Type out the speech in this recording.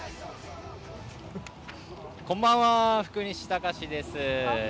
こんばんは、福西崇史です。